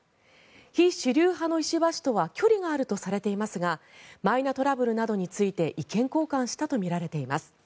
非主流派の石破氏とは距離があるとされていますがマイナトラブルなどについて意見交換したとみられています。